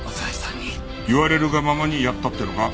言われるがままにやったっていうのか？